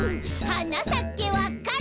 「はなさけわか蘭」